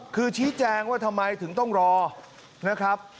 คือชี้แจงว่าทำไมถึงต้องรอนะครับ